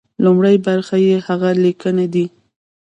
لومړۍ برخه يې هغه ليکنې دي.